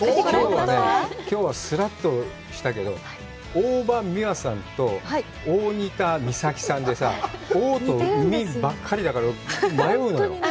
きょうはね、きょうはすらっとしたけど、大場美和さんと大仁田美咲さんでさ、「おう」と「み」ばかりだから、迷うのよ。